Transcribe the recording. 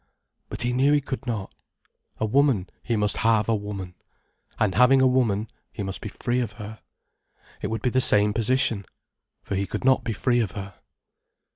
But he knew he could not. A woman, he must have a woman. And having a woman, he must be free of her. It would be the same position. For he could not be free of her.